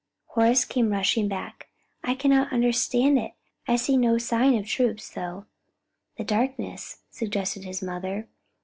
Horace came rushing back. "I can not understand it! I see no sign of troops, though " "The darkness," suggested his mother.